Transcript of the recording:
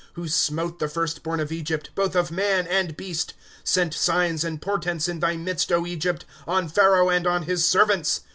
^ Who smote the first born of Egypt, Both of man and beast ;^ Sent signs and portents in thy midst, Egypt, On Fharaoli and on his servants.